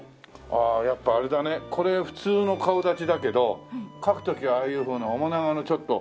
ああやっぱあれだねこれ普通の顔立ちだけど描く時はああいうふうな面長のちょっと。